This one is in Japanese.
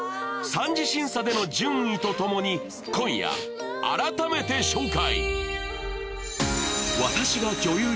三次審査での順位とともに今夜改めて紹介